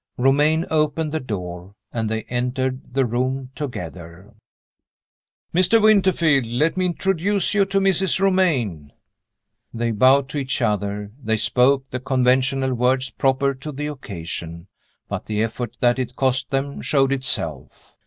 Romayne opened the door, and they entered the room together. "Mr. Winterfield, let me introduce you to Mrs. Romayne." They bowed to each other; they spoke the conventional words proper to the occasion but the effort that it cost them showed itself.